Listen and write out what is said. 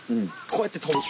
こうやってとぶ。